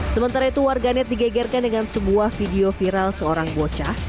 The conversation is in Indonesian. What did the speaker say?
sementara itu warganet digegerkan dengan sebuah video viral seorang bocah